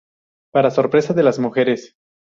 Para sorpresa de las mujeres.